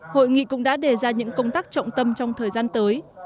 hội nghị cũng đã đề ra những công tác trọng tâm trong thời gian tới